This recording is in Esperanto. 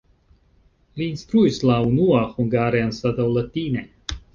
Li instruis la unua hungare anstataŭ latine.